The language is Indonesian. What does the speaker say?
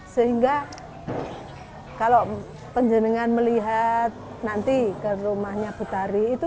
sehingga kalau penjengengan melihat nanti ke rumahnya bu tari